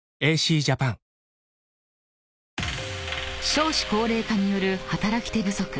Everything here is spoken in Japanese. ［少子高齢化による働き手不足］